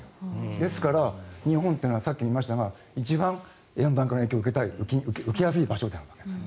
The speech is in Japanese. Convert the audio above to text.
ですから日本というのはさっき言いましたが一番、温暖化の影響を受けやすい場所なわけです。